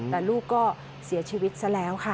แต่ลูกก็เสียชีวิตซะแล้วค่ะ